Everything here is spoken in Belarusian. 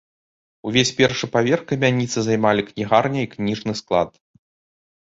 Увесь першы паверх камяніцы займалі кнігарня і кніжны склад.